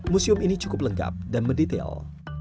museum ini cukup lengkap dan mendetail